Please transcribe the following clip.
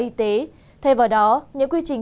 y tế thay vào đó những quy trình